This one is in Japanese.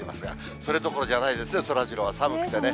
それどころじゃないですね、そらジローは寒くてね。